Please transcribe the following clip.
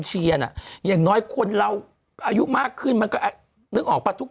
น่ะอย่างน้อยคนเราอายุมากขึ้นมันก็นึกออกปะทุก